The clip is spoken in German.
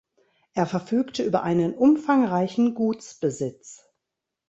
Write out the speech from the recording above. Er verfügte über einen umfangreichen Gutsbesitz.